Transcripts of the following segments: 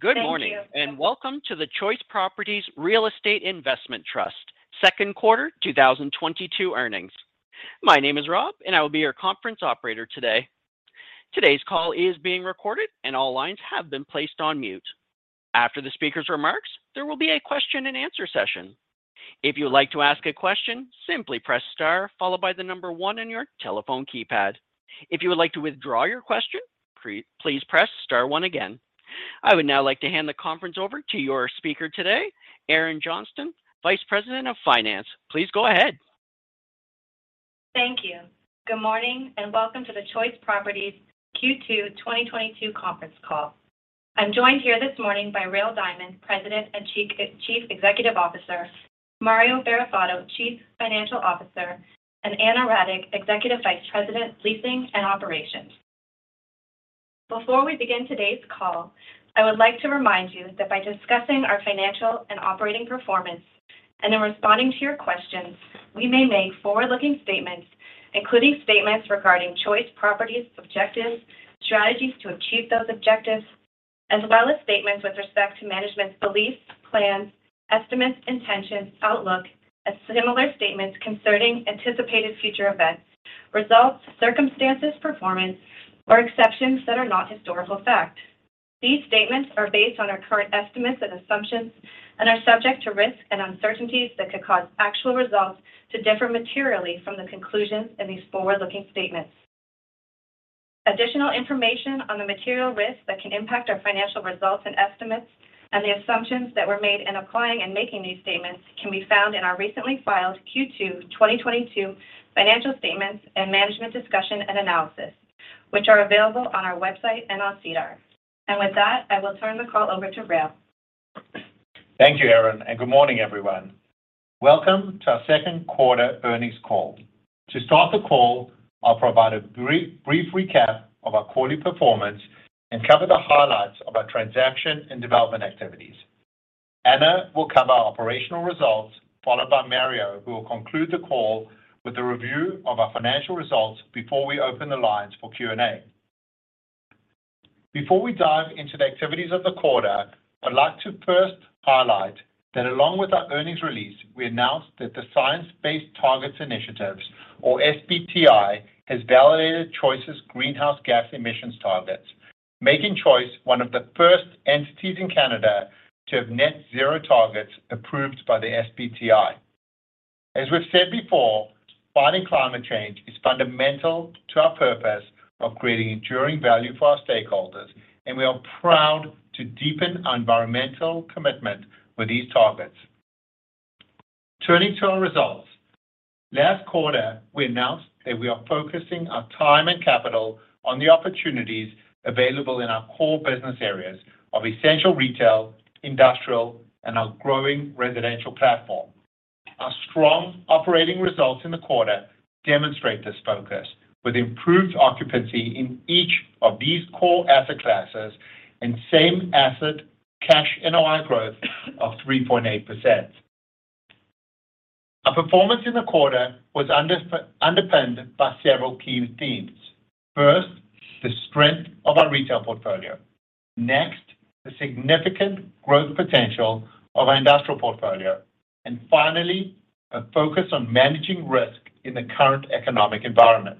Good morning, and welcome to the Choice Properties Real Estate Investment Trust second quarter 2022 earnings. My name is Rob, and I will be your conference operator today. Today's call is being recorded, and all lines have been placed on mute. After the speaker's remarks, there will be a question-and-answer session. If you would like to ask a question, simply press star followed by the number one on your telephone keypad. If you would like to withdraw your question, please press star one again. I would now like to hand the conference over to your speaker today, Erin Johnston, Vice President of Finance. Please go ahead. Thank you. Good morning, and welcome to the Choice Properties Q2 2022 conference call. I'm joined here this morning by Rael Diamond, President and Chief Executive Officer, Mario Barrafato, Chief Financial Officer, and Ana Radic, Executive Vice President, Leasing and Operations. Before we begin today's call, I would like to remind you that by discussing our financial and operating performance and in responding to your questions, we may make forward-looking statements, including statements regarding Choice Properties objectives, strategies to achieve those objectives, as well as statements with respect to management's beliefs, plans, estimates, intentions, outlook, and similar statements concerning anticipated future events, results, circumstances, performance, or expectations that are not historical fact. These statements are based on our current estimates and assumptions and are subject to risks and uncertainties that could cause actual results to differ materially from the conclusions in these forward-looking statements. Additional information on the material risks that can impact our financial results and estimates and the assumptions that were made in applying and making these statements can be found in our recently filed Q2 2022 financial statements and Management Discussion and Analysis, which are available on our website and on SEDAR. With that, I will turn the call over to Rael. Thank you, Erin, and good morning, everyone. Welcome to our second quarter earnings call. To start the call, I'll provide a brief recap of our quarterly performance and cover the highlights of our transaction and development activities. Ana will cover our operational results, followed by Mario, who will conclude the call with a review of our financial results before we open the lines for Q&A. Before we dive into the activities of the quarter, I'd like to first highlight that along with our earnings release, we announced that the Science Based Targets initiative, or SBTi, has validated Choice's greenhouse gas emissions targets, making Choice one of the first entities in Canada to have net zero targets approved by the SBTi. As we've said before, fighting climate change is fundamental to our purpose of creating enduring value for our stakeholders, and we are proud to deepen our environmental commitment with these targets. Turning to our results, last quarter, we announced that we are focusing our time and capital on the opportunities available in our core business areas of essential retail, industrial, and our growing residential platform. Our strong operating results in the quarter demonstrate this focus with improved occupancy in each of these core asset classes and same asset cash NOI growth of 3.8%. Our performance in the quarter was underpinned by several key themes. First, the strength of our retail portfolio. Next, the significant growth potential of our industrial portfolio. Finally, a focus on managing risk in the current economic environment.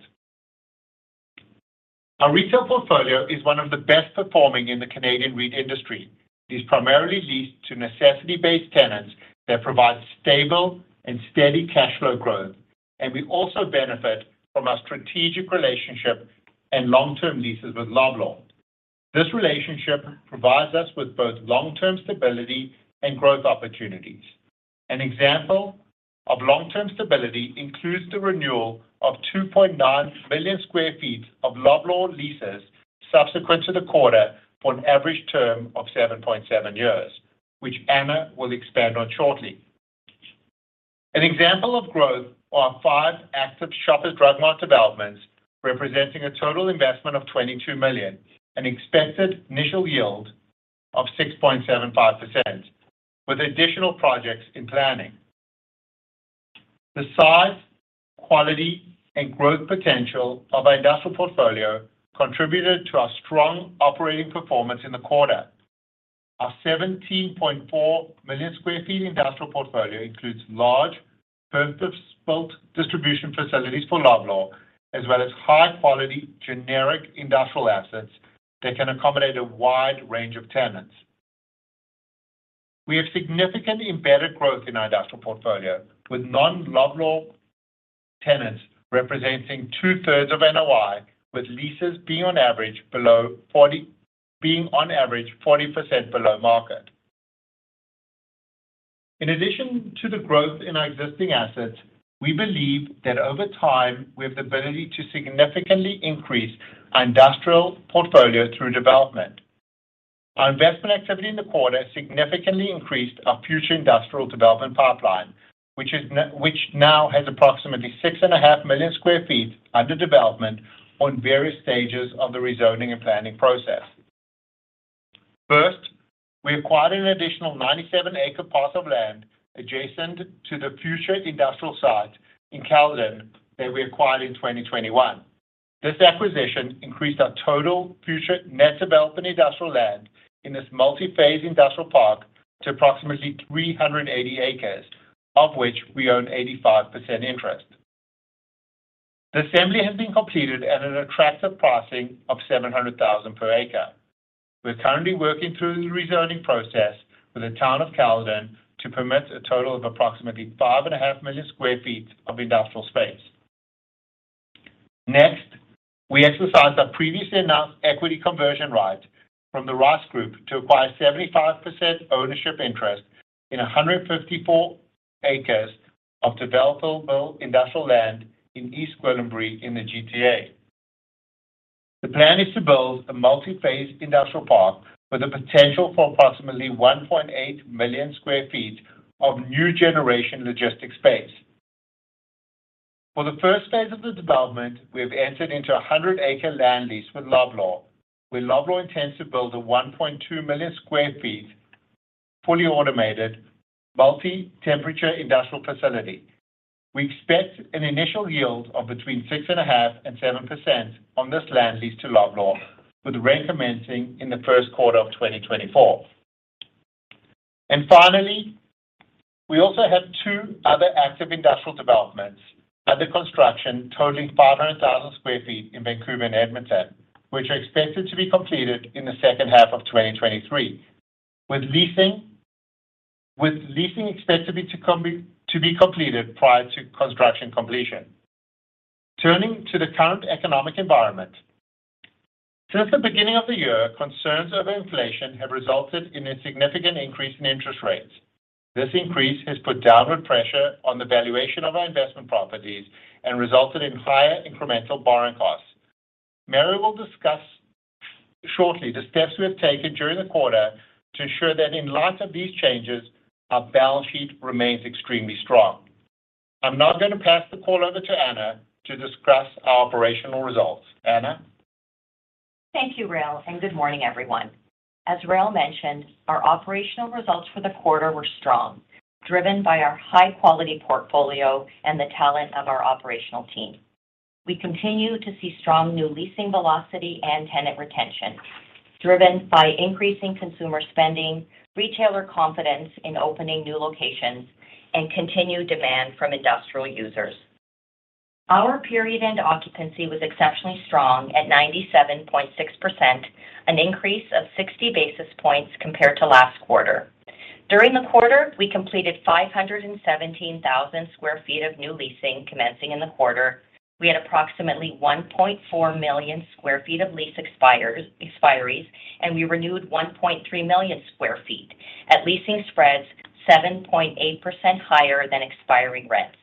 Our retail portfolio is one of the best performing in the Canadian REIT industry. It is primarily leased to necessity-based tenants that provide stable and steady cash flow growth, and we also benefit from our strategic relationship and long-term leases with Loblaws. This relationship provides us with both long-term stability and growth opportunities. An example of long-term stability includes the renewal of 2.9 million sq ft of Loblaws leases subsequent to the quarter for an average term of 7.7 years, which Ana will expand on shortly. An example of growth are our five active Shoppers Drug Mart developments, representing a total investment of 22 million, an expected initial yield of 6.75% with additional projects in planning. The size, quality, and growth potential of our industrial portfolio contributed to our strong operating performance in the quarter. Our 17.4 million sq ft industrial portfolio includes large, purpose-built distribution facilities for Loblaws, as well as high-quality, generic industrial assets that can accommodate a wide range of tenants. We have significantly embedded growth in our industrial portfolio, with non-Loblaws tenants representing two-thirds of NOI, with leases being on average 40% below market. In addition to the growth in our existing assets, we believe that over time, we have the ability to significantly increase our industrial portfolio through development. Our investment activity in the quarter significantly increased our future industrial development pipeline, which now has approximately 6.5 million sq ft under development on various stages of the rezoning and planning process. First, we acquired an additional 97-acre parcel of land adjacent to the future industrial site in Caledon that we acquired in 2021. This acquisition increased our total future net development industrial land in this multi-phase industrial park to approximately 380 acres, of which we own 85% interest. The assembly has been completed at an attractive pricing of 700,000 per acre. We're currently working through the rezoning process with the town of Caledon to permit a total of approximately 5.5 million sq ft of industrial space. Next, we exercise our previously announced equity conversion right from the Rice Group to acquire 75% ownership interest in 154 acres of developable industrial land in East Gwillimbury in the GTA. The plan is to build a multi-phase industrial park with a potential for approximately 1.8 million sq ft of new generation logistic space. For the first phase of the development, we have entered into a 100-acre land lease with Loblaws, where Loblaws intends to build a 1.2 million sq ft, fully automated multi-temperature industrial facility. We expect an initial yield of between 6.5% and 7% on this land lease to Loblaws, with rent commencing in the first quarter of 2024. Finally, we also have two other active industrial developments, other construction totaling 500,000 sq ft in Vancouver and Edmonton, which are expected to be completed in the second half of 2023, with leasing expected to be completed prior to construction completion. Turning to the current economic environment. Since the beginning of the year, concerns over inflation have resulted in a significant increase in interest rates. This increase has put downward pressure on the valuation of our investment properties and resulted in higher incremental borrowing costs. Mario will discuss shortly the steps we have taken during the quarter to ensure that in light of these changes, our balance sheet remains extremely strong. I'm now going to pass the call over to Ana to discuss our operational results. Ana. Thank you, Rael, and good morning, everyone. As Rael mentioned, our operational results for the quarter were strong, driven by our high-quality portfolio and the talent of our operational team. We continue to see strong new leasing velocity and tenant retention, driven by increasing consumer spending, retailer confidence in opening new locations, and continued demand from industrial users. Our period end occupancy was exceptionally strong at 97.6%, an increase of 60 basis points compared to last quarter. During the quarter, we completed 517,000 sq ft of new leasing commencing in the quarter. We had approximately 1.4 million sq ft of lease expiries, and we renewed 1.3 million sq ft at leasing spreads 7.8% higher than expiring rents.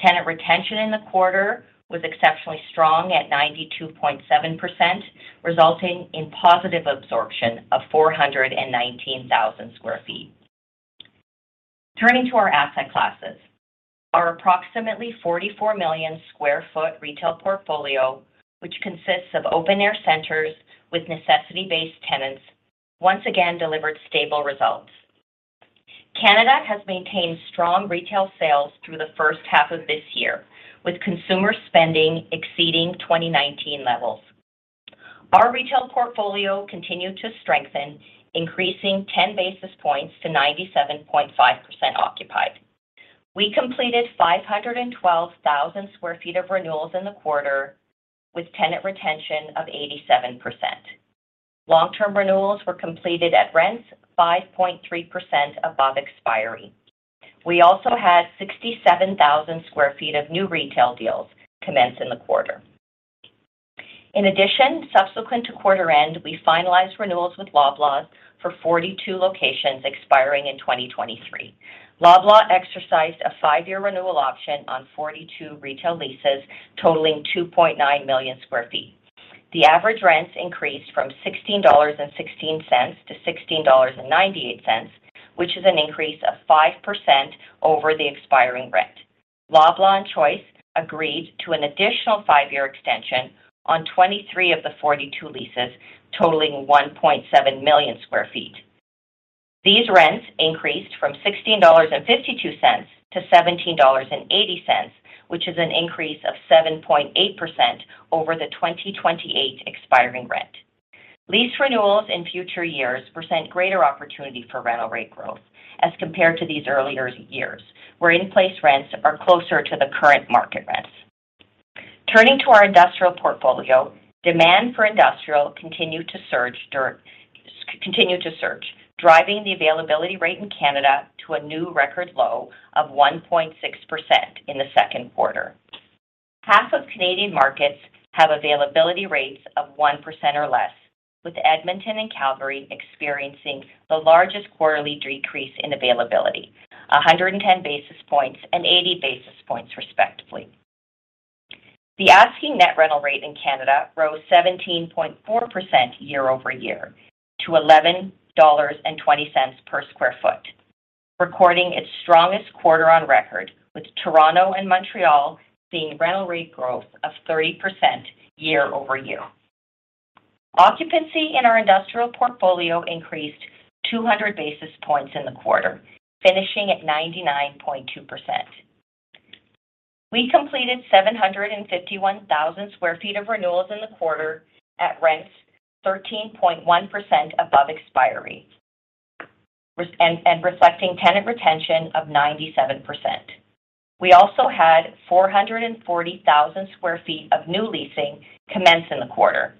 Tenant retention in the quarter was exceptionally strong at 92.7%, resulting in positive absorption of 419,000 sq ft. Turning to our asset classes. Our approximately 44 million sq ft retail portfolio, which consists of open-air centers with necessity-based tenants, once again delivered stable results. Canada has maintained strong retail sales through the first half of this year, with consumer spending exceeding 2019 levels. Our retail portfolio continued to strengthen, increasing 10 basis points to 97.5% occupied. We completed 512,000 sq ft of renewals in the quarter with tenant retention of 87%. Long-term renewals were completed at rents 5.3% above expiry. We also had 67,000 sq ft of new retail deals commence in the quarter. In addition, subsequent to quarter end, we finalized renewals with Loblaws for 42 locations expiring in 2023. Loblaws exercised a 5-year renewal option on 42 retail leases, totaling 2.9 million sq ft. The average rents increased from 16.16 dollars to 16.98 dollars, which is an increase of 5% over the expiring rent. Loblaws and Choice agreed to an additional 5-year extension on 23 of the 42 leases, totaling 1.7 million sq ft. These rents increased from 16.52 dollars to 17.80 dollars, which is an increase of 7.8% over the 2028 expiring rent. Lease renewals in future years present greater opportunity for rental rate growth as compared to these earlier years, where in-place rents are closer to the current market rents. Turning to our industrial portfolio, demand for industrial continued to surge, driving the availability rate in Canada to a new record low of 1.6% in the second quarter. Half of Canadian markets have availability rates of 1% or less, with Edmonton and Calgary experiencing the largest quarterly decrease in availability, 110 basis points and 80 basis points, respectively. The asking net rental rate in Canada rose 17.4% year-over-year to 11.20 dollars per sq ft, recording its strongest quarter on record, with Toronto and Montreal seeing rental rate growth of 30% year-over-year. Occupancy in our industrial portfolio increased 200 basis points in the quarter, finishing at 99.2%. We completed 751,000 sq ft of renewals in the quarter at rents 13.1% above expiry and reflecting tenant retention of 97%. We also had 440,000 sq ft of new leasing commence in the quarter.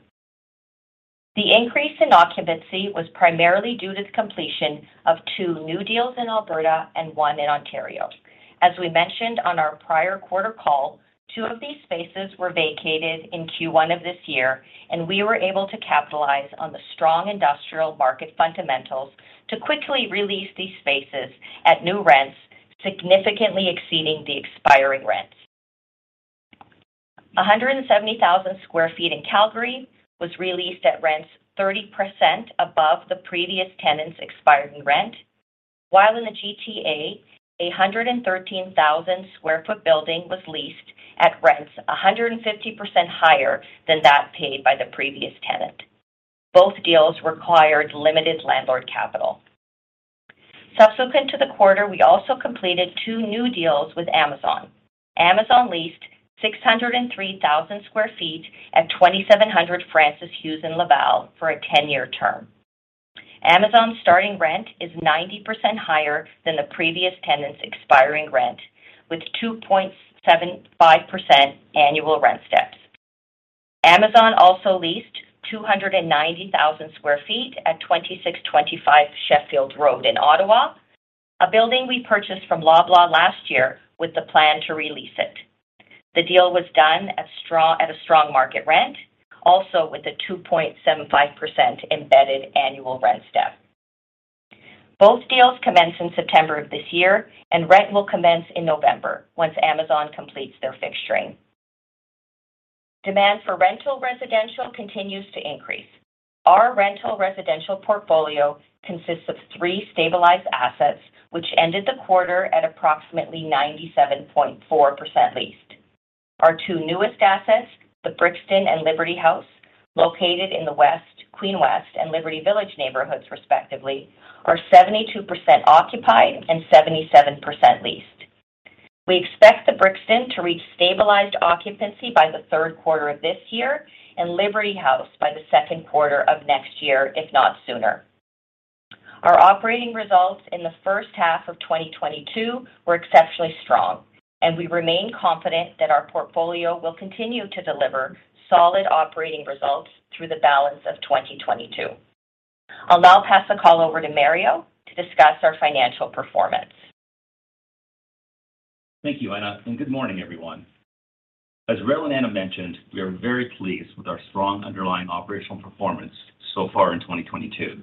The increase in occupancy was primarily due to the completion of two new deals in Alberta and one in Ontario. As we mentioned on our prior quarter call, two of these spaces were vacated in Q1 of this year, and we were able to capitalize on the strong industrial market fundamentals to quickly re-lease these spaces at new rents, significantly exceeding the expiring rents. 170,000 sq ft in Calgary was re-leased at rents 30% above the previous tenant's expiring rent. While in the GTA, a 113,000 sq ft building was leased at rents 150% higher than that paid by the previous tenant. Both deals required limited landlord capital. Subsequent to the quarter, we also completed two new deals with Amazon. Amazon leased 603,000 sq ft at 2,700 Francis Hughes in Laval for a 10-year term. Amazon's starting rent is 90% higher than the previous tenant's expiring rent, with 2.75% annual rent steps. Amazon also leased 290,000 sq ft at 2,625 Sheffield Road in Ottawa, a building we purchased from Loblaws last year with the plan to re-lease it. The deal was done at a strong market rent, also with a 2.75% embedded annual rent step. Both deals commenced in September of this year, and rent will commence in November once Amazon completes their fixturing. Demand for rental residential continues to increase. Our rental residential portfolio consists of three stabilized assets, which ended the quarter at approximately 97.4% leased. Our two newest assets, The Brixton and Liberty House, located in the West Queen West and Liberty Village neighborhoods, respectively, are 72% occupied and 77% leased. We expect The Brixton to reach stabilized occupancy by the third quarter of this year and Liberty House by the second quarter of next year, if not sooner. Our operating results in the first half of 2022 were exceptionally strong, and we remain confident that our portfolio will continue to deliver solid operating results through the balance of 2022. I'll now pass the call over to Mario to discuss our financial performance. Thank you, Ana, and good morning, everyone. As Rael and Ana mentioned, we are very pleased with our strong underlying operational performance so far in 2022.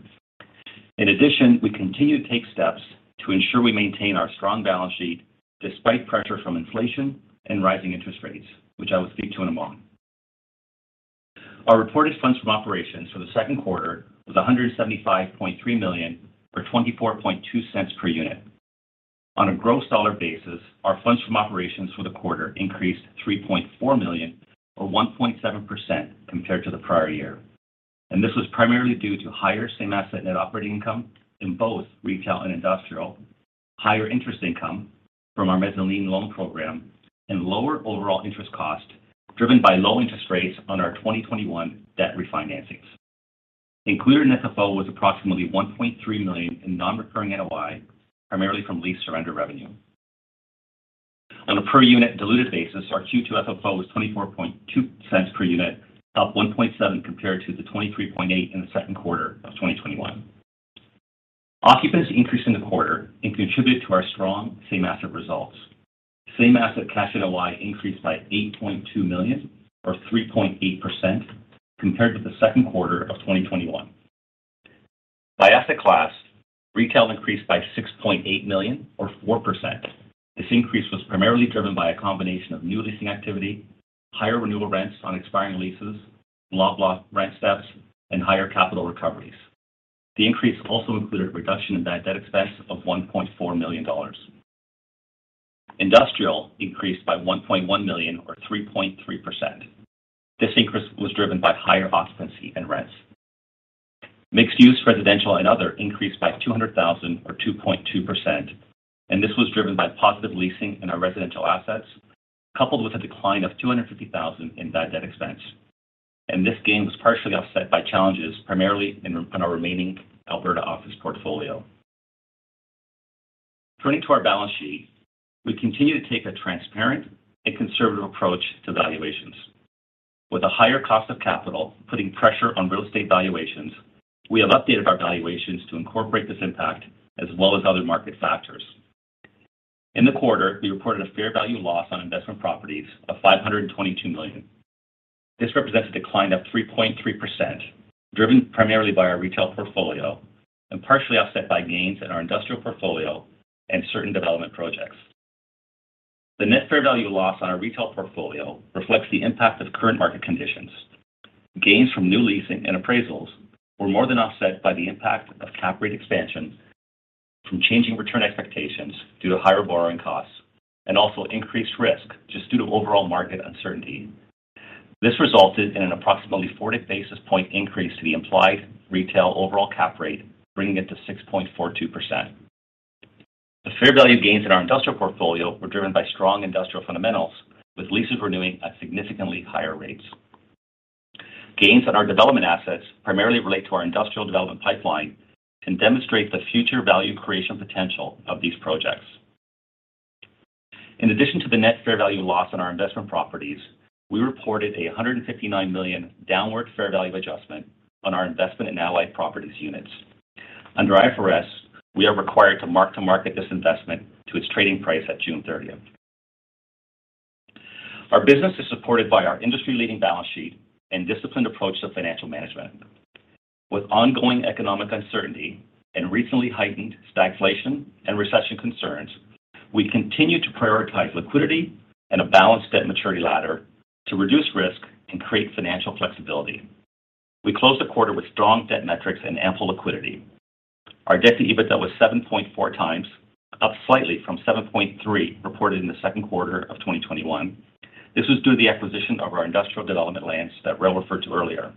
In addition, we continue to take steps to ensure we maintain our strong balance sheet despite pressure from inflation and rising interest rates, which I will speak to in a moment. Our reported funds from operations for the second quarter was 175.3 million, or 0.242 per unit. On a gross dollar basis, our funds from operations for the quarter increased 3.4 million, or 1.7%, compared to the prior year. This was primarily due to higher same asset net operating income in both retail and industrial, higher interest income from our mezzanine loan program, and lower overall interest cost driven by low interest rates on our 2021 debt refinancings. Included in FFO was approximately 1.3 million in non-recurring NOI, primarily from lease surrender revenue. On a per unit diluted basis, our Q2 FFO was 0.242 per unit, up 1.7 compared to the 23.8 in the second quarter of 2021. Occupancy increased in the quarter and contributed to our strong same-asset results. Same-asset cash NOI increased by 8.2 million or 3.8% compared with the second quarter of 2021. By asset class, retail increased by 6.8 million or 4%. This increase was primarily driven by a combination of new leasing activity, higher renewal rents on expiring leases, Loblaws rent steps, and higher capital recoveries. The increase also included a reduction in bad debt expense of 1.4 million dollars. Industrial increased by 1.1 million or 3.3%. This increase was driven by higher occupancy and rents. Mixed-use residential and other increased by 200 thousand or 2.2%, and this was driven by positive leasing in our residential assets, coupled with a decline of 250 thousand in bad debt expense. This gain was partially offset by challenges primarily in our remaining Alberta office portfolio. Turning to our balance sheet, we continue to take a transparent and conservative approach to valuations. With a higher cost of capital putting pressure on real estate valuations, we have updated our valuations to incorporate this impact as well as other market factors. In the quarter, we reported a fair value loss on investment properties of 522 million. This represents a decline of 3.3%, driven primarily by our retail portfolio and partially offset by gains in our industrial portfolio and certain development projects. The net fair value loss on our retail portfolio reflects the impact of current market conditions. Gains from new leasing and appraisals were more than offset by the impact of cap rate expansions from changing return expectations due to higher borrowing costs and also increased risk just due to overall market uncertainty. This resulted in an approximately 40 basis point increase to the implied retail overall cap rate, bringing it to 6.42%. The fair value gains in our industrial portfolio were driven by strong industrial fundamentals, with leases renewing at significantly higher rates. Gains on our development assets primarily relate to our industrial development pipeline and demonstrate the future value creation potential of these projects. In addition to the net fair value loss on our investment properties, we reported 159 million downward fair value adjustment on our investment in Allied Properties units. Under IFRS, we are required to mark-to-market this investment to its trading price at June 30. Our business is supported by our industry-leading balance sheet and disciplined approach to financial management. With ongoing economic uncertainty and recently heightened stagflation and recession concerns, we continue to prioritize liquidity and a balanced debt maturity ladder to reduce risk and create financial flexibility. We closed the quarter with strong debt metrics and ample liquidity. Our debt-to-EBITDA was 7.4x, up slightly from 7.3 reported in the second quarter of 2021. This was due to the acquisition of our industrial development lands that Rael referred to earlier.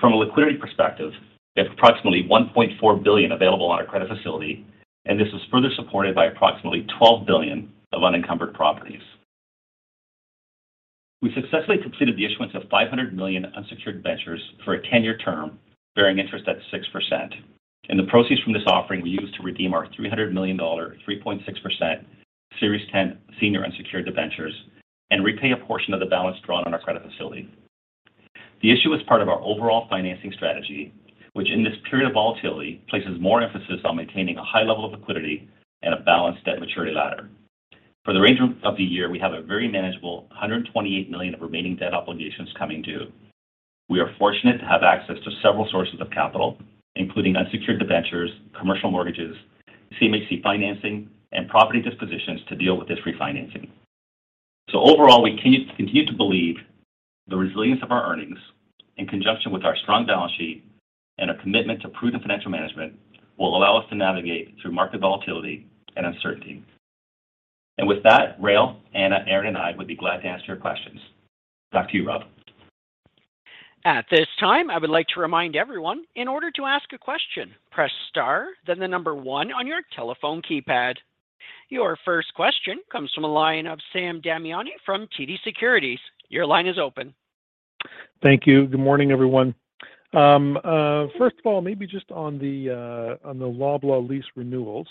From a liquidity perspective, we have approximately 1.4 billion available on our credit facility, and this was further supported by approximately 12 billion of unencumbered properties. We successfully completed the issuance of 500 million unsecured debentures for a 10-year term, bearing interest at 6%. The proceeds from this offering we used to redeem our 300 million dollar, 3.6% Series Ten senior unsecured debentures and repay a portion of the balance drawn on our credit facility. The issue was part of our overall financing strategy, which in this period of volatility, places more emphasis on maintaining a high level of liquidity and a balanced debt maturity ladder. For the remainder of the year, we have a very manageable 128 million of remaining debt obligations coming due. We are fortunate to have access to several sources of capital, including unsecured debentures, commercial mortgages, CMHC financing, and property dispositions to deal with this refinancing. Overall, we continue to believe the resilience of our earnings in conjunction with our strong balance sheet and a commitment to prudent financial management will allow us to navigate through market volatility and uncertainty. With that, Rael, Ana, Erin, and I would be glad to answer your questions. Back to you, Rob. At this time, I would like to remind everyone in order to ask a question, press star, then number one on your telephone keypad. Your first question comes from a line of Sam Damiani from TD Securities. Your line is open. Thank you. Good morning, everyone. First of all, maybe just on the Loblaws lease renewals,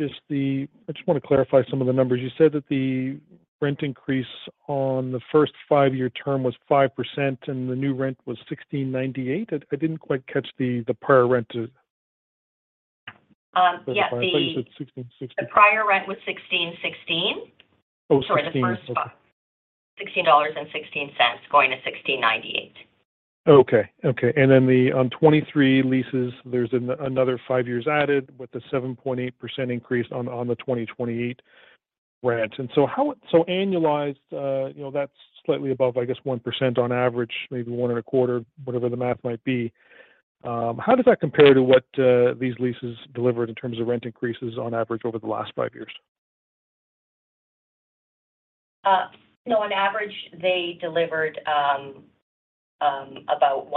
I just want to clarify some of the numbers. You said that the rent increase on the first five-year term was 5% and the new rent was 16.98. I didn't quite catch the prior rent. Yeah. I thought you said 16 16. The prior rent was 16. Oh, 16. Okay. Sorry, the first one. 16.16-16.98. The 23 leases, there's another five years added with the 7.8% increase on the 2028 rent. Annualized, you know, that's slightly above, I guess, 1% on average, maybe 1.25%, whatever the math might be. How does that compare to what these leases delivered in terms of rent increases on average over the last five years? You know, on average, they delivered about 1.5%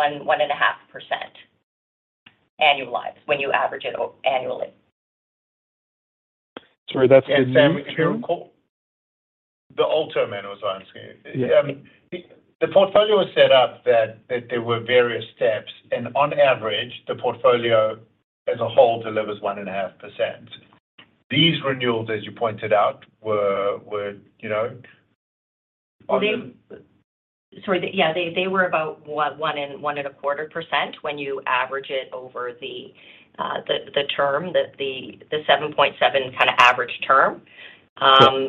annualized when you average it annually. Sorry, that's the new term? Sam, the old term, Ana, was what I'm saying. Yeah. The portfolio was set up that there were various steps, and on average, the portfolio as a whole delivers 1.5%. These renewals, as you pointed out, were you know, on the Yeah, they were about 1%-1.25% when you average it over the term that the 7.7 kind of average term. Sure.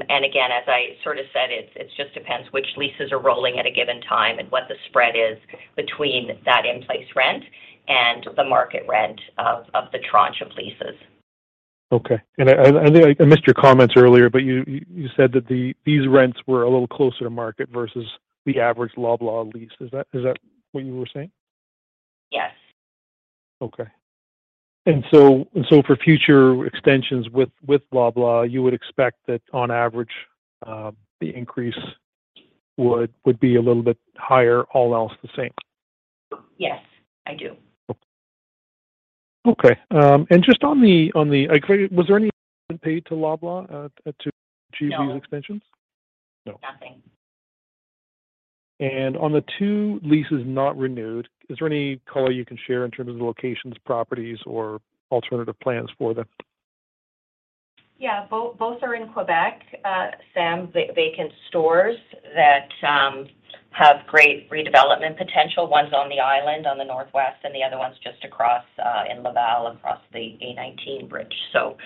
As I sort of said, it just depends which leases are rolling at a given time and what the spread is between that in-place rent and the market rent of the tranche of leases. Okay. I think I missed your comments earlier, but you said that these rents were a little closer to market versus the average Loblaws lease. Is that what you were saying? Yes. For future extensions with Loblaws, you would expect that on average, the increase would be a little bit higher, all else the same. Yes, I do. Was there any pay to Loblaws to achieve these extensions? No. No. Nothing. On the two leases not renewed, is there any color you can share in terms of locations, properties, or alternative plans for them? Yeah. Both are in Quebec, Sam. Vacant stores that have great redevelopment potential. One's on the island on the northwest, and the other one's just across in Laval, across the A-19 bridge. So.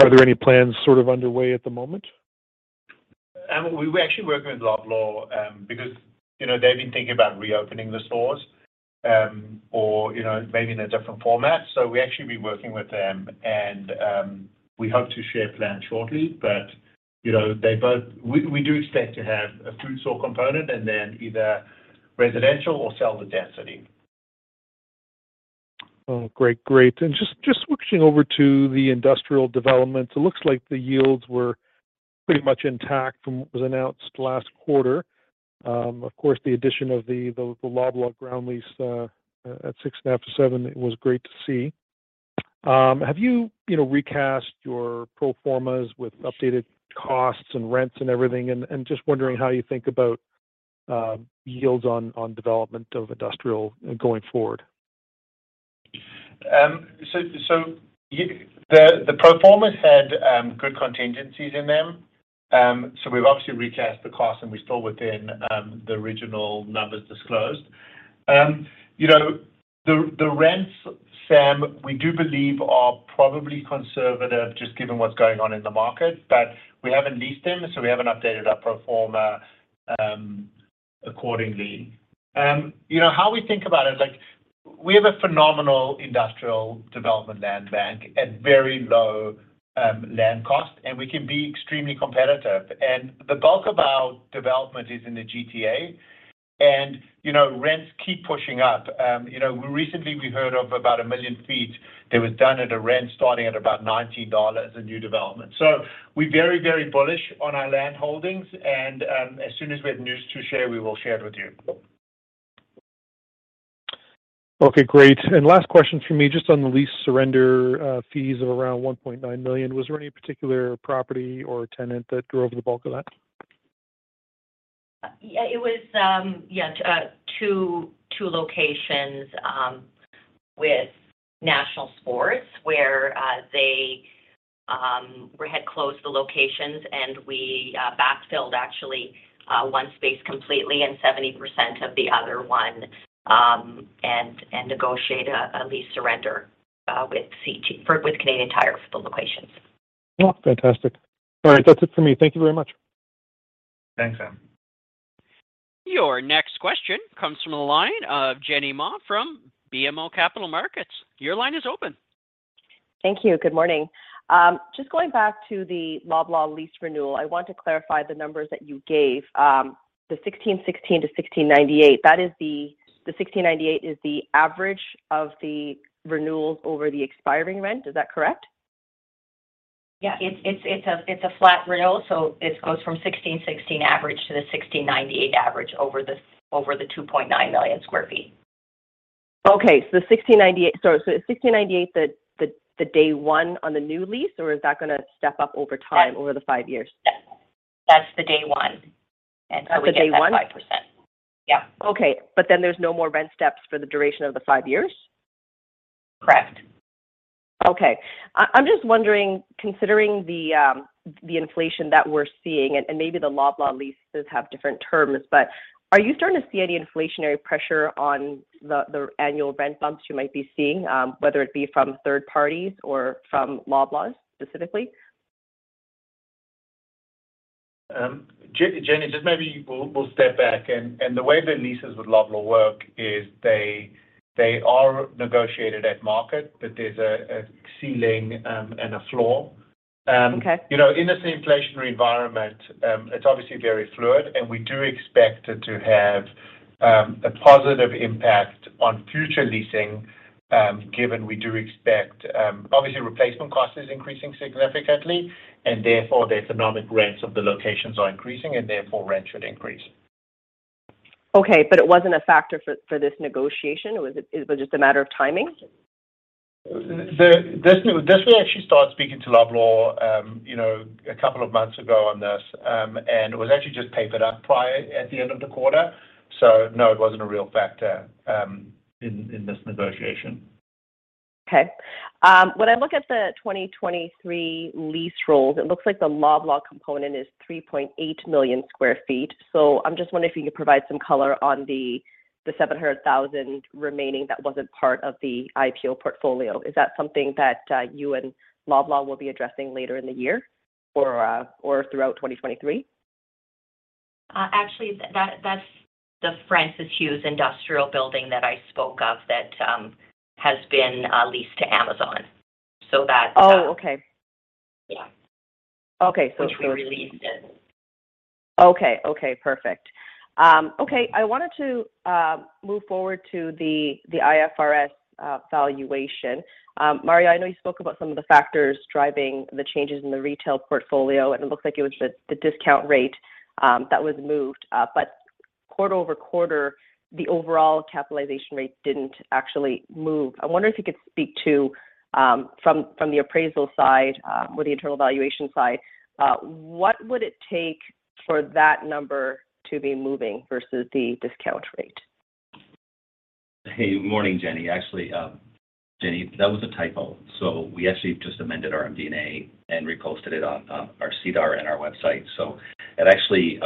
Are there any plans sort of underway at the moment? We're actually working with Loblaws because you know, they've been thinking about reopening the stores or you know, maybe in a different format. We hope to share plans shortly. We do expect to have a food store component and then either residential or sell the density. Oh, great. Great. Just switching over to the industrial developments, it looks like the yields were pretty much intact from what was announced last quarter. Of course, the addition of the Loblaws ground lease at 6.5%-7% was great to see. Have you know, recast your pro formas with updated costs and rents and everything? Just wondering how you think about yields on development of industrial going forward. The pro formas had good contingencies in them. We've obviously recast the cost, and we're still within the original numbers disclosed. You know, the rents, Sam, we do believe are probably conservative just given what's going on in the market. We haven't leased them, so we haven't updated our pro forma accordingly. You know, how we think about it, like we have a phenomenal industrial development land bank at very low land cost, and we can be extremely competitive. The bulk of our development is in the GTA. You know, rents keep pushing up. You know, recently we heard of about 1 million sq ft that was done at a rent starting at about 90 dollars, a new development. We're very, very bullish on our land holdings and, as soon as we have news to share, we will share it with you. Okay, great. Last question from me, just on the lease surrender fees of around 1.9 million. Was there any particular property or tenant that drove the bulk of that? Yeah, it was two locations with National Sports where they had closed the locations and we backfilled actually one space completely and 70% of the other one and negotiated a lease surrender with Canadian Tire for the locations. Oh, fantastic. All right. That's it for me. Thank you very much. Thanks, Sam. Your next question comes from the line of Jenny Ma from BMO Capital Markets. Your line is open. Thank you. Good morning. Just going back to the Loblaws lease renewal, I want to clarify the numbers that you gave. The 1616-1698, that is the 1698 is the average of the renewals over the expiring rent. Is that correct? Yeah. It's a flat renewal, so it goes from 16.16 average to the 16.98 average over the 2.9 million sq ft. Is CAD 16.98 the day one on the new lease or is that gonna step up over time? Yes. over the five years? Yes. That's the day one. The day one. How we get that 5%. Yeah. Okay. There's no more rent steps for the duration of the five years? Correct. I'm just wondering, considering the inflation that we're seeing, and maybe the Loblaws leases have different terms, but are you starting to see any inflationary pressure on the annual rent bumps you might be seeing, whether it be from third parties or from Loblaws specifically? Jenny, just maybe we'll step back. The way the leases with Loblaws work is they are negotiated at market, but there's a ceiling and a floor. Okay. You know, in this inflationary environment, it's obviously very fluid, and we do expect it to have a positive impact on future leasing, given we do expect. Obviously replacement cost is increasing significantly, and therefore the economic rents of the locations are increasing, and therefore rent should increase. Okay, it wasn't a factor for this negotiation. It was just a matter of timing? This, we actually started speaking to Loblaws, you know, a couple of months ago on this. It was actually just papered up prior at the end of the quarter. No, it wasn't a real factor in this negotiation. Okay. When I look at the 2023 lease rolls, it looks like the Loblaws component is 3.8 million sq ft. I'm just wondering if you could provide some color on the seven hundred thousand remaining that wasn't part of the IPO portfolio. Is that something that you and Loblaws will be addressing later in the year or throughout 2023? Actually, that's the Francis Hughes industrial building that I spoke of that has been leased to Amazon. Oh, okay. Yeah. Okay. Which we released it. Okay. Perfect. I wanted to move forward to the IFRS valuation. Mario, I know you spoke about some of the factors driving the changes in the retail portfolio, and it looks like it was the discount rate that was moved. Quarter-over-quarter, the overall capitalization rate didn't actually move. I wonder if you could speak to, from the appraisal side, or the internal valuation side, what would it take for that number to be moving versus the discount rate? Hey, good morning, Jenny. Actually, Jenny, that was a typo. We actually just amended our MD&A and re-posted it on our SEDAR and our website. It actually,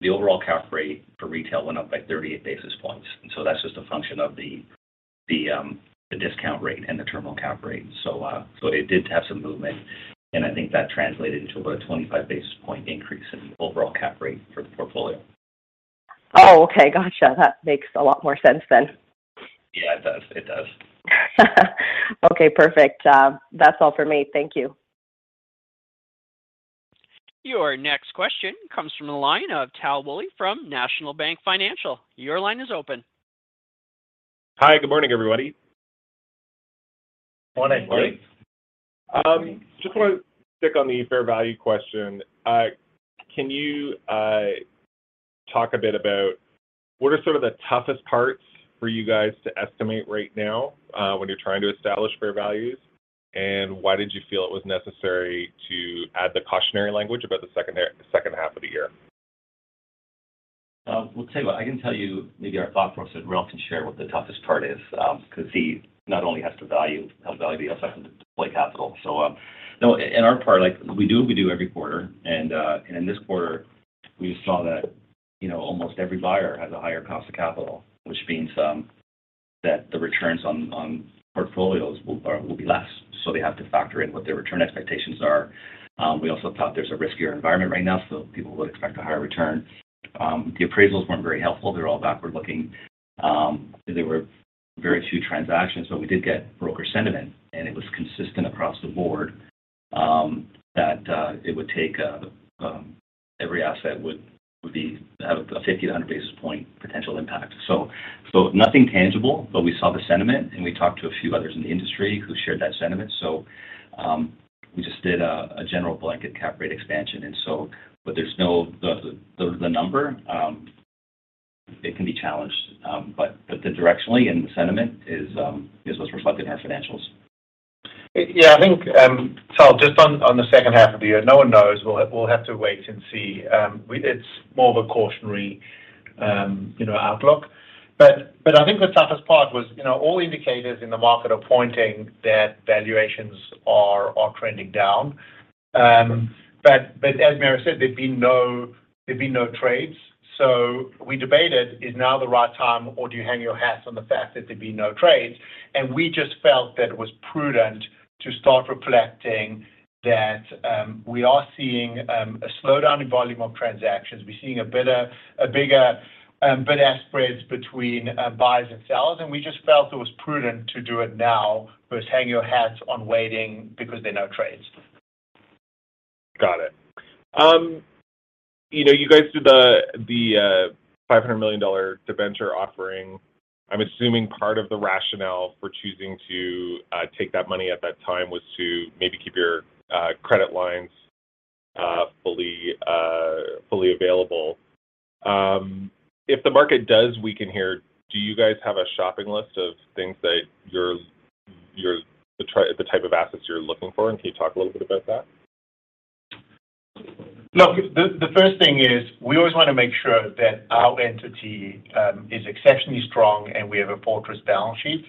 the overall cap rate for retail went up by 38 basis points. That's just a function of the discount rate and the terminal cap rate. It did have some movement, and I think that translated into about a 25 basis point increase in overall cap rate for the portfolio. Oh, okay. Gotcha. That makes a lot more sense than. Yeah, it does. It does. Okay, perfect. That's all for me. Thank you. Your next question comes from the line of Tal Woolley from National Bank Financial. Your line is open. Hi. Good morning, everybody. Morning. Just wanna stick on the fair value question. Can you talk a bit about what are some of the toughest parts for you guys to estimate right now, when you're trying to establish fair values, and why did you feel it was necessary to add the cautionary language about the second half of the year? Well, tell you what. I can tell you maybe our thought process, and Rael can share what the toughest part is, 'cause he not only has to value the effect of the deployed capital. In our part, like we do what we do every quarter, and in this quarter we saw that, you know, almost every buyer has a higher cost of capital, which means that the returns on portfolios will be less, so they have to factor in what their return expectations are. We also thought there's a riskier environment right now, so people would expect a higher return. The appraisals weren't very helpful. They're all backward-looking. There were very few transactions, but we did get broker sentiment, and it was consistent across the board that every asset would have a 50-100 basis point potential impact. Nothing tangible, but we saw the sentiment, and we talked to a few others in the industry who shared that sentiment. We just did a general blanket cap rate expansion and so. There's no the number. It can be challenged. The direction and the sentiment is what's reflected in our financials. Yeah, I think, Tal, just on the second half of the year, no one knows. We'll have to wait and see. It's more of a cautionary, you know, outlook. I think the toughest part was, you know, all indicators in the market are pointing that valuations are trending down. As Mario said, there'd been no trades. We debated, is now the right time or do you hang your hats on the fact that there'd been no trades? We just felt that it was prudent to start reflecting that we are seeing a slowdown in volume of transactions. We're seeing a bigger bid-ask spreads between buyers and sellers, and we just felt it was prudent to do it now versus hang your hats on waiting because there are no trades. Got it. You know, you guys did the 500 million dollar debenture offering. I'm assuming part of the rationale for choosing to take that money at that time was to maybe keep your credit lines fully available. If the market does weaken here, do you guys have a shopping list of things that you're the type of assets you're looking for, and can you talk a little bit about that? Look, the first thing is we always wanna make sure that our entity is exceptionally strong and we have a fortress balance sheet.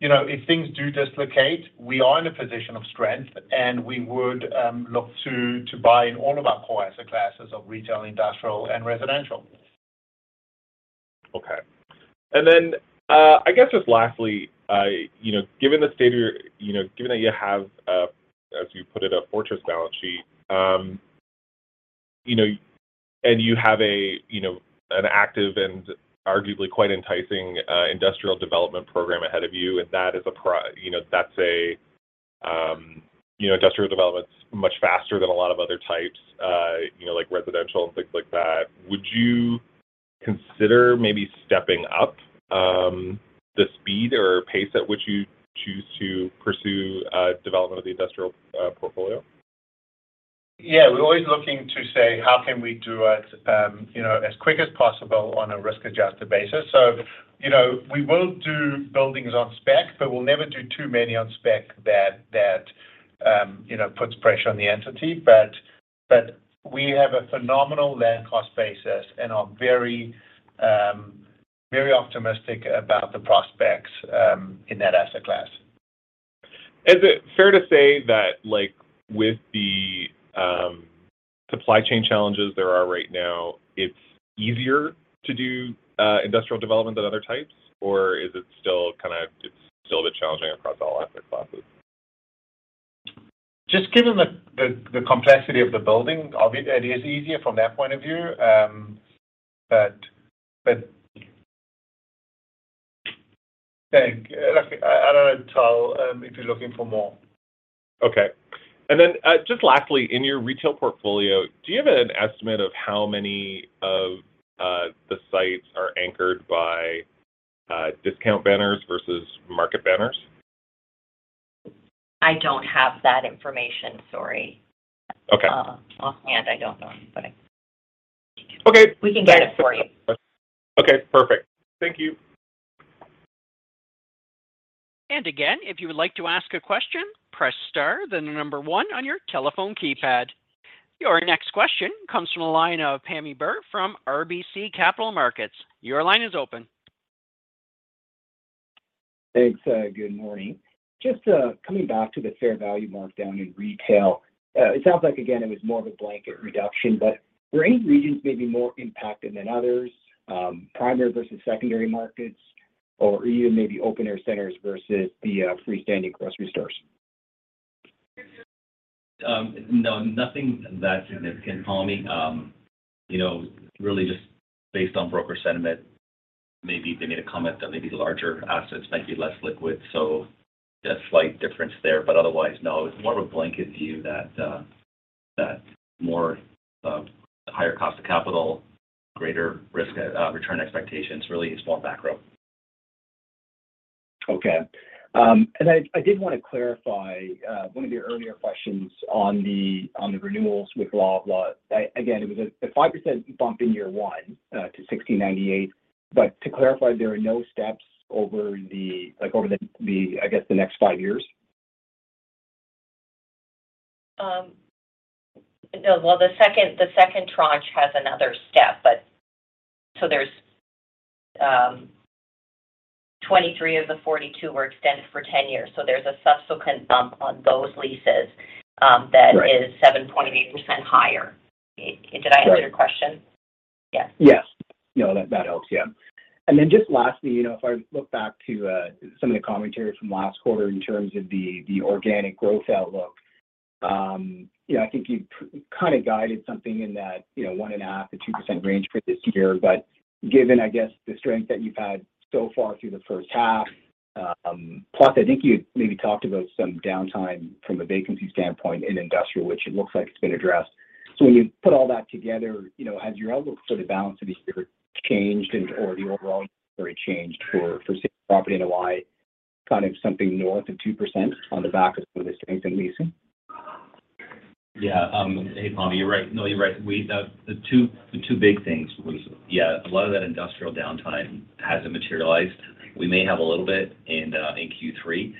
You know, if things do dislocate, we are in a position of strength, and we would look to buy in all of our core asset classes of retail, industrial, and residential. Okay. I guess just lastly, you know, given that you have, as you put it, a fortress balance sheet, you know, and you have a, you know, an active and arguably quite enticing industrial development program ahead of you, and that's a, you know, industrial development's much faster than a lot of other types, you know, like residential and things like that. Would you consider maybe stepping up the speed or pace at which you choose to pursue development of the industrial portfolio? Yeah, we're always looking to say how can we do it, you know, as quick as possible on a risk-adjusted basis. You know, we will do buildings on spec, but we'll never do too many on spec that you know, puts pressure on the entity. We have a phenomenal land cost basis and are very, very optimistic about the prospects in that asset class. Is it fair to say that, like, with the supply chain challenges there are right now, it's easier to do industrial development than other types, or is it still a bit challenging across all asset classes? Just given the complexity of the building, it is easier from that point of view. Look, I don't know, Tal, if you're looking for more. Okay. Just lastly, in your retail portfolio, do you have an estimate of how many of the sites are anchored by discount banners versus market banners? I don't have that information, sorry. Okay. Offhand I don't know. Okay. We can get it for you. Okay, perfect. Thank you. Again, if you would like to ask a question, press star then the number one on your telephone keypad. Your next question comes from the line of Pammi Bir from RBC Capital Markets. Your line is open. Thanks. Good morning. Just coming back to the fair value markdown in retail, it sounds like again it was more of a blanket reduction, but were any regions maybe more impacted than others, primary versus secondary markets or even maybe open-air centers versus the freestanding grocery stores? No, nothing that significant, Pammi. You know, really just based on broker sentiment. Maybe they made a comment that maybe the larger assets might be less liquid, so a slight difference there. Otherwise, no, it's more of a blanket view that that more of a higher cost of capital, greater risk, return expectations, really a small drawback. Okay. I did wanna clarify one of your earlier questions on the renewals with Loblaws. Again, it was a 5% bump in year one to 16.98. To clarify, there are no steps over the, over the, I guess, the next 5 years? No. Well, the second tranche has another step, but. There's 23 of the 42 were extended for 10 years, so there's a subsequent bump on those leases. Right. That is 7.8% higher. Did I answer your question? Right. Yes. Yes. No, that helps. Yeah. Then just lastly, you know, if I look back to some of the commentary from last quarter in terms of the organic growth outlook, you know, I think you've kind of guided something in that 1.5%-2% range for this year. But given, I guess, the strength that you've had so far through the first half, plus I think you maybe talked about some downtime from a vacancy standpoint in industrial, which it looks like it's been addressed. So when you put all that together, you know, has your outlook sort of for the balance of this year changed or the overall changed for the property NOI, kind of something north of 2% on the back of some of the strength in leasing? Yeah. Hey, Pammi, you're right. You're right. The two big things was, yeah, a lot of that industrial downtime hasn't materialized. We may have a little bit in Q3,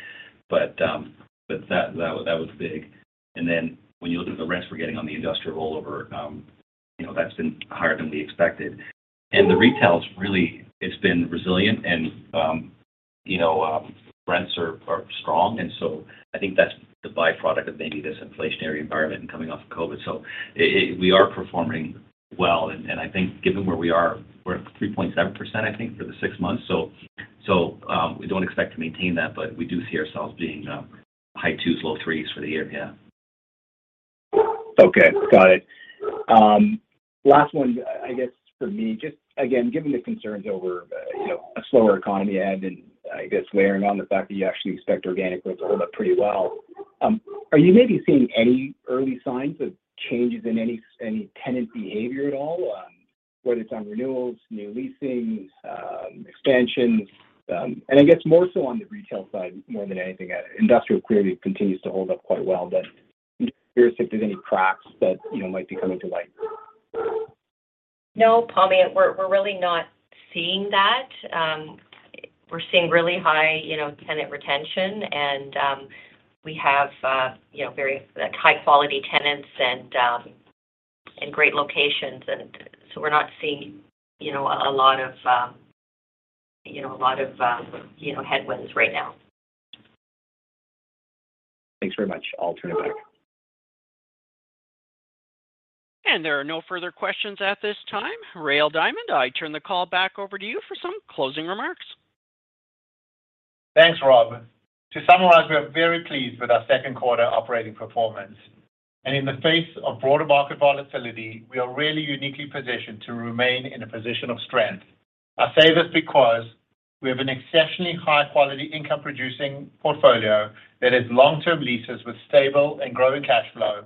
but that was big. When you look at the rents we're getting on the industrial rollover, you know, that's been higher than we expected. The retail's it's been resilient and, you know, rents are strong. I think that's the byproduct of maybe this inflationary environment coming off of COVID. We are performing well, and I think given where we are, we're at 3.7%, I think, for the six months. We don't expect to maintain that, but we do see ourselves being high 2s, low 3s for the year. Yeah. Okay. Got it. Last one, I guess for me. Just again, given the concerns over, you know, a slower economy and I guess layering on the fact that you actually expect organic growth to hold up pretty well, are you maybe seeing any early signs of changes in any tenant behavior at all, whether it's on renewals, new leasings, expansions, and I guess more so on the retail side more than anything? Industrial clearly continues to hold up quite well. Curious if there's any cracks that, you know, might be coming to light. No, Pammi, we're really not seeing that. We're seeing really high, you know, tenant retention and we have, you know, very high quality tenants and great locations. We're not seeing, you know, a lot of headwinds right now. Thanks very much. I'll turn it back. There are no further questions at this time. Rael Diamond, I turn the call back over to you for some closing remarks. Thanks, Rob. To summarize, we are very pleased with our second quarter operating performance. In the face of broader market volatility, we are really uniquely positioned to remain in a position of strength. I say this because we have an exceptionally high quality income producing portfolio that has long-term leases with stable and growing cash flow.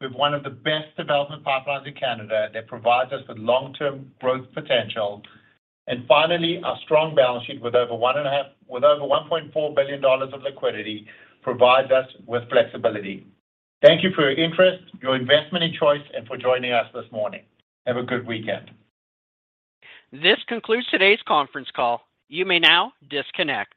We have one of the best development pipelines in Canada that provides us with long-term growth potential. Finally, our strong balance sheet with over 1.4 billion dollars of liquidity provides us with flexibility. Thank you for your interest, your investment in Choice, and for joining us this morning. Have a good weekend. This concludes today's conference call. You may now disconnect.